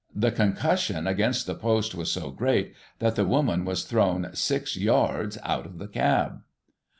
The concus sion against the post was so great, that the woman was thrown six yards out of the cab.